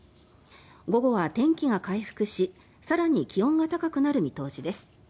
午後は天気が回復し更に気温が高くなる見通しです。